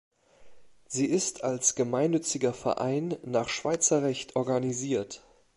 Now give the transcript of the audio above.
Sie ist als gemeinnütziger Verein nach Schweizer Recht organisiert.